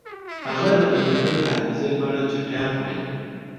هغه د کمپیوټر د حافظې په اړه چټیات ویل